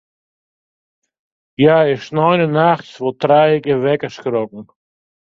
Hja is dy sneintenachts wol trije kear wekker skrokken.